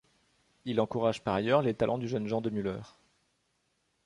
Il encourage par ailleurs les talents du jeune Jean de Müller.